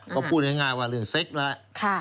ก็พูดง่ายว่าเรื่องเซ็กนะครับ